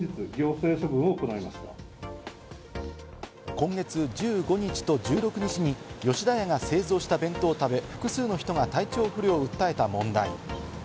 今月１５日と１６日に吉田屋が製造した弁当を食べ、複数の人が体調不良を訴えた問題。